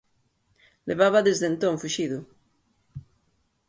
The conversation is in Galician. Levaba desde entón fuxido.